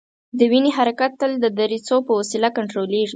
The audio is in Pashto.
د وینې حرکت تل د دریڅو په وسیله کنترولیږي.